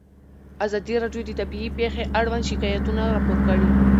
ازادي راډیو د طبیعي پېښې اړوند شکایتونه راپور کړي.